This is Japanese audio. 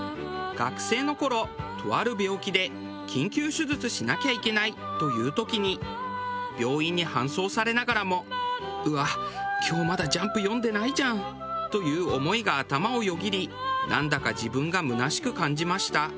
学生の頃とある病気で緊急手術しなきゃいけないという時に病院に搬送されながらも「うわ今日まだ『ジャンプ』読んでないじゃん」という思いが頭をよぎりなんだか自分が空しく感じました。